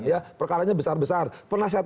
ya perkaranya besar besar penasehat